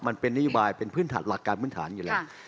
มันเป็นนิยบายเป็นหลักการพื้นฐานอยู่แล้ว